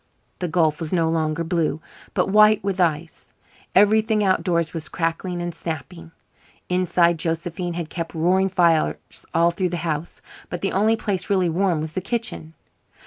The gulf was no longer blue, but white with ice. Everything outdoors was crackling and snapping. Inside Josephine had kept roaring fires all through the house but the only place really warm was the kitchen.